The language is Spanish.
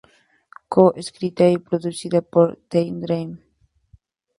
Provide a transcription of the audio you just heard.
Co-escrita y producida por The Dream.